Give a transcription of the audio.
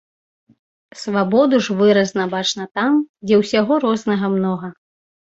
Свабоду ж выразна бачна там, дзе ўсяго рознага многа.